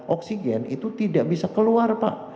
oksigen itu tidak bisa keluar pak